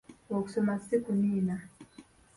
Okusoma si kuniina.